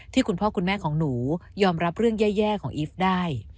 คุณพ่อคุณแม่ของหนูยอมรับเรื่องแย่ของอีฟได้